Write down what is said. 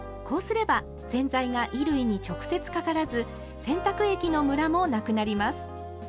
こうすれば洗剤が衣類に直接かからず洗濯液のムラもなくなります。